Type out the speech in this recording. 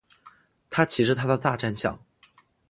他骑着他的大战象。